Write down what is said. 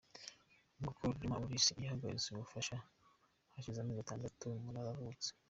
Ngo Col Juma Oris yahagaritse ubufasha hashize amezi atandatu Marara avutse.